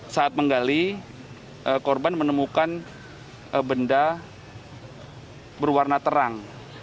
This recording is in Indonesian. saat menggali korban menemukan benda berwarna terang